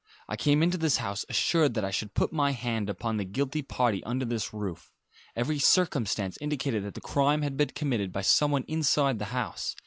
I came into this house assured that I should put my hand upon the guilty party under this roof. Every circumstance indicated that the crime had been committed by someone inside the house.